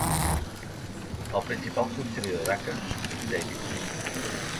El principal conciliador d'Acas és David Prince.